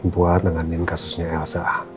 buat menganin kasusnya elsa